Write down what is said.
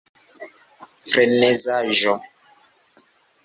frenezaĵo